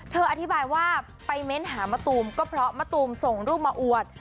อธิบายว่าไปเม้นหามะตูมก็เพราะมะตูมส่งรูปมาอวด